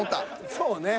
そうね。